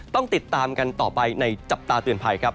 ต้องติดตามกันต่อไปในจับตาเตือนภัยครับ